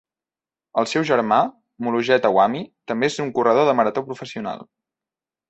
El seu germà, Mulugeta Wami, també és un corredor de marató professional.